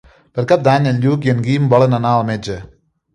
Per Cap d'Any en Lluc i en Guim volen anar al metge.